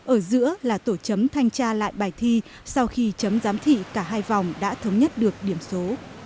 ở giữa là tổ chấm thanh tra lại bài thi sau khi chấm giám thị cả hai vòng đã thống nhất được điểm số